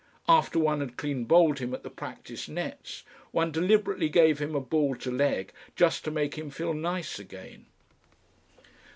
After one had clean bowled him at the practice nets one deliberately gave him a ball to leg just to make him feel nice again.